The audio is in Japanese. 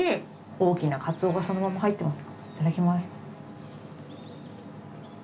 大きなカツオがそのまま入ってますいただきます。